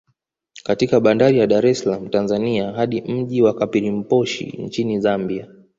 Katika bandari ya Dar es salaam Tanzania hadi mji wa Kapirimposhi Nchini Zambia